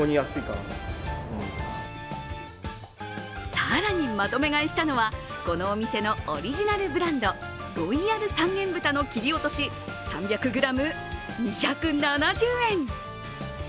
更にまとめ買いしたのはこのお店のオリジナルブランド、ロイヤル三元豚の切り落とし３００ｇ２７０円。